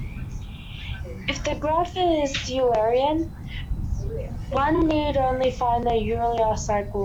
If the graph is Eulerian, one need only find an Euler cycle.